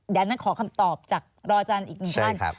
เดี๋ยวอันนั้นขอคำตอบจากรอจันทร์อีกหนึ่งขั้น